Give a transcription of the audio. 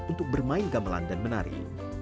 untuk bermain gamelan dan menari